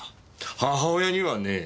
母親にはねえ。